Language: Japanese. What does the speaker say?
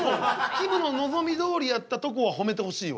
きむの望みどおりやったとこはほめてほしいわ。